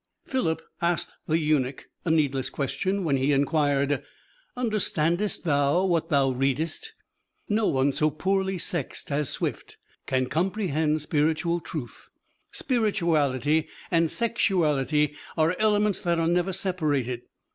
Philip asked the eunuch a needless question when he inquired, "Understandest thou what thou readest?" No one so poorly sexed as Swift can comprehend spiritual truth: spirituality and sexuality are elements that are never separated.